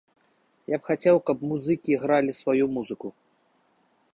Я б хацеў, каб музыкі гралі сваю музыку.